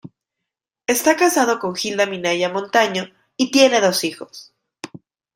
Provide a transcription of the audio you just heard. Está casado con Gilda Minaya Montaño y tiene dos hijos.